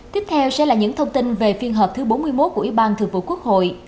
tiếp theo sẽ là những thông tin về phiên họp thứ bốn mươi một của ủy ban thượng vụ quốc hội